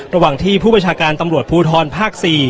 ระหว่างที่ผู้ประชาการตำรวจภูทรภาค๔